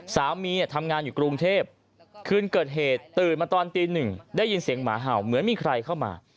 สามีทำงานอยู่กรุงเทพคืนเกิดเหตุตื่นมาตอนตีหนึ่งได้ยินเสียงหมาเห่าเหมือนมีใครเข้ามา